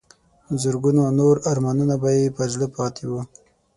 زرګونو نور ارمانونه به یې پر زړه پاتې وو.